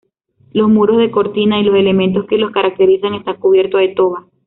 Los muros de cortina y los elementos que los caracterizan están cubiertos de toba.